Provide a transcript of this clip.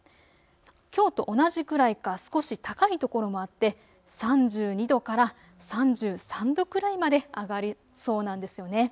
きょうと同じくらいか少し高いところもあって３２度から３３度くらいまで上がりそうなんですよね。